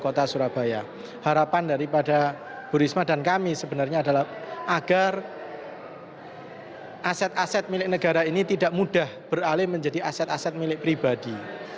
kota surabaya harapan daripada bu risma dan kami sebenarnya adalah agar aset aset milik negara ini tidak mudah beralih menjadi aset aset milik pribadi